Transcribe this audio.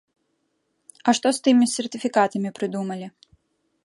А што з тымі сертыфікатамі прыдумалі?